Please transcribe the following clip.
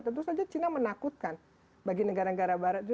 tentu saja china menakutkan bagi negara negara barat